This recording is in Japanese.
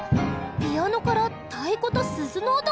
ピアノから太鼓と鈴の音がする！